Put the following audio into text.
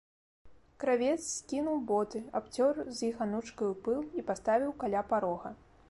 Кравец скінуў боты, абцёр з іх анучкаю пыл і паставіў каля парога.